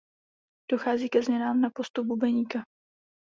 Dochází ke změnám na postu bubeníka.